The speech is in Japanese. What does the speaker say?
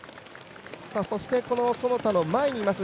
そして、其田の前にいます